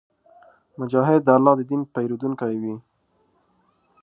مجاهد د الله د دین پېرودونکی وي.